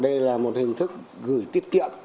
đây là một hình thức gửi tiết kiệm